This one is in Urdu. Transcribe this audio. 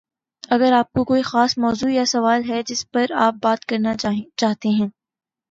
اگر آپ کو کوئی خاص موضوع یا سوال ہے جس پر آپ بات کرنا چاہتے ہیں